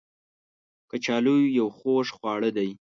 کچالو یو خوږ خواړه دی